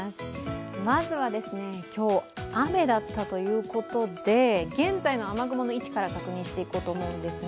まずは今日、雨だったということで現在の雨雲の位置から確認していこうと思うんですが。